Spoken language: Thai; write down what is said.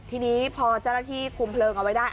ทีนี้พอเจ้าหน้าที่คุมเพลิงเอาไว้ได้